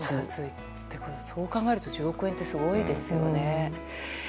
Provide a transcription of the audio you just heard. そう考えると１０億円ってすごいですよね。